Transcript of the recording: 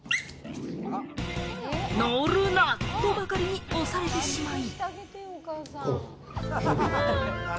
乗るな！とばかりに押されてしまい。